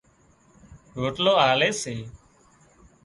روٽلو آلي سي